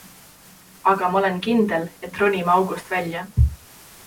Aga ma olen kindel, et ronime august välja.